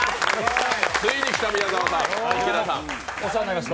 ついに来た、宮澤さん、池田さん。